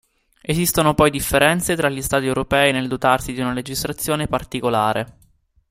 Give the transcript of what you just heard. Esistono poi differenze tra gli Stati europei nel dotarsi di una legislazione particolare.